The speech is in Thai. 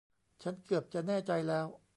ฉันเกือบจะแน่ใจแล้ว